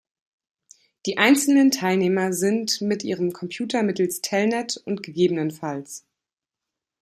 Die einzelnen Teilnehmer sind mit ihrem Computer mittels Telnet und ggf.